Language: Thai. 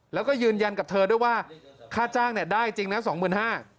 แล้วก็ยืนยันกับเธอด้วยว่าค่าจ้างเนี่ยได้จริงนะ๒๕๐๐บาท